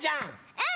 うん！